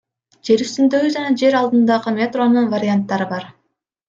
Жер үстүндөгү жана жер алдындагы метронун варианттары бар.